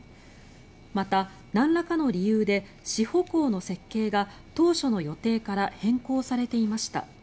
また、なんらかの理由で支保工の設計が当初の予定から変更されていました。